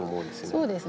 そうですね。